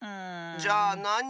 じゃあなに？